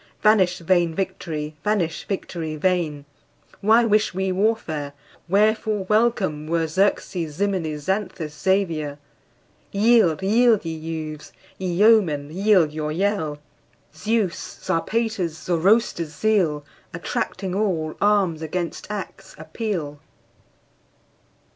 Vanish vain victory! vanish, victory vain! Why wish we warfare? Wherefore welcome were Xerxes, Ximenes, Xanthus, Xavier? Yield, yield, ye youths! ye yeomen, yield your yell! Zeus', Zarpater's, Zoroaster's zeal, Attracting all, arms against acts appeal!